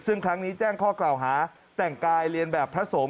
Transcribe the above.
ซึ่งครั้งนี้แจ้งข้อกล่าวหาแต่งกายเรียนแบบพระสงฆ์